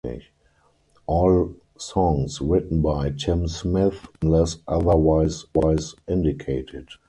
All songs written by Tim Smith unless otherwise indicated.